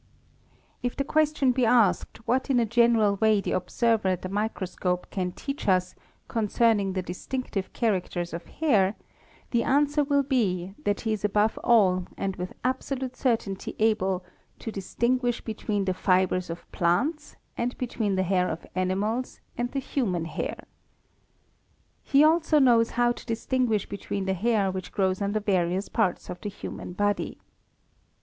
HAIR 199 If the question be asked what in a general way the observer at the _ microscope' can teach us concerning the distinctive characters of hair, the _ answer will be that he is above all and with absolute certainty able to _ distinguish between the fibres of plants and between the hair of animals _ and the human hair. He also knows how to distinguish between the _ hair which grows on the various parts of the human body.